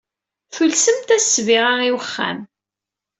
Tulsemt-as ssbiɣa i wexxam.